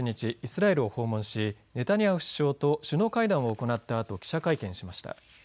アメリカのバイデン大統領は１８日、イスラエルを訪問しネタニヤフ首相と首脳会談を行ったあと記者会見をしました。